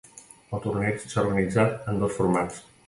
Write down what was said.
El torneig s'ha organitzat en dos formats.